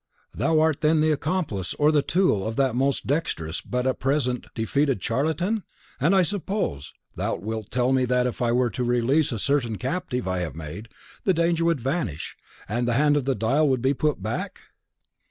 Thou art then the accomplice or the tool of that most dexterous, but, at present, defeated charlatan? And I suppose thou wilt tell me that if I were to release a certain captive I have made, the danger would vanish, and the hand of the dial would be put back?"